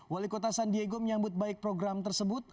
wali kota san diego menyambut baik program tersebut